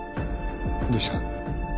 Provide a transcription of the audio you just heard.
どうした？